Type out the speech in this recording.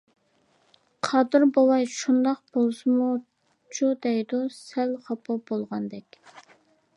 قادىر بوۋاي:-شۇنداق بولسىمۇ چۇ دەيدۇ سەل خاپا بولغاندەك.